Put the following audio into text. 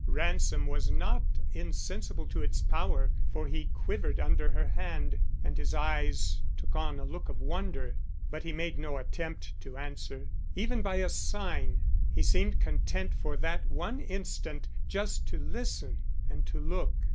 Ransom was not insensible to its power, for he quivered under her hand and his eyes took on a look of wonder. But he made no attempt to answer, even by a sign. He seemed content for that one instant just to listen and to look.